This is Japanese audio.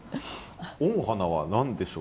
「御花」は何でしょう？